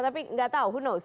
tapi nggak tahu who knows